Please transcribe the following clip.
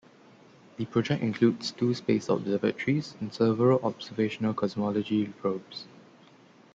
The project includes two space observatories, and several observational cosmology probes.